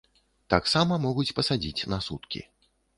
Таксама могуць пасадзіць на суткі.